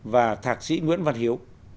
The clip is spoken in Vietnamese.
và thạc sĩ nguyễn văn hiếu